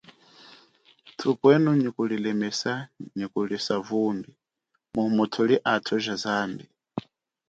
Thupwenu nyi kulilemesa nyi kulisa vumbi mumu thuli athu ja zambi.